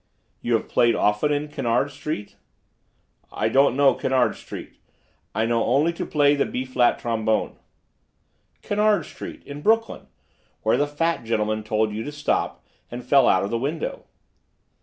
"You have played often in Kennard Street?" "I don't know Kennard Street. I know only to play the B flat trombone." "Kennard Street. In Brooklyn. Where the fat gentleman told you to stop, and fell out of the window."